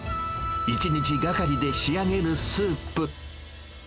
１日がかりで仕上げるスープ。